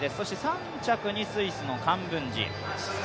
３着にスイスのカンブンジ。